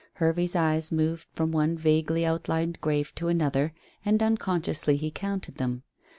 Hervey's eyes moved from one vaguely outlined grave to another, and unconsciously he counted them.